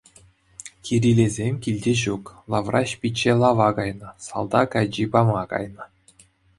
Кирилесем килте ҫук, Лавраҫ пичче лава кайнӑ, салтак ачи пама кайнӑ.